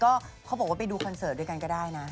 ก็เขาบอกว่าไปดูคอนเสิร์ตด้วยกันก็ได้นะ